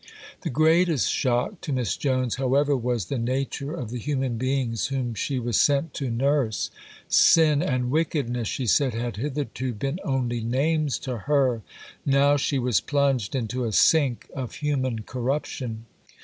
The greatest shock to Miss Jones, however, was the nature of the human beings whom she was sent to nurse. Sin and wickedness, she said, had hitherto been only names to her. Now she was plunged into a sink of human corruption.